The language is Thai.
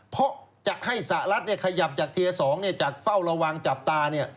เพราะจะให้สหรัฐขยับจากเทียร์๒จากเฝ้าระวังจับตา